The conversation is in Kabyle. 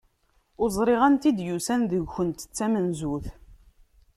Ur ẓriɣ anta i d-yusan deg-kunt d tamenzut.